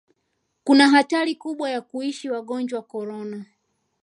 kuna hatari kubwa ya kuishi wagonjwa korona